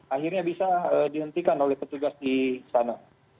akhirnya bisa dihentikan oleh petugas di sana